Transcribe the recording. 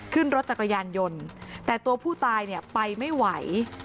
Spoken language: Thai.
ขึ้นรถจักรยานยนต์แต่ตัวผู้ตายเนี่ยไปไม่ไหว